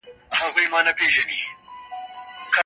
ورزش د انسان روحیه ډېره لوړوي.